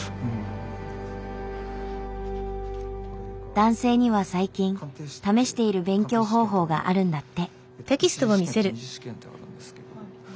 男性には最近試している勉強方法があるんだって。